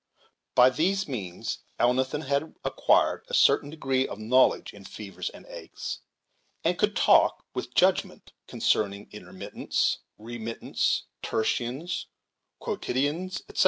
By these means Elnathan had acquired a certain degree of knowledge in fevers and agues, and could talk with judgment concerning intermittents, remittents, tertians, quotidians, etc.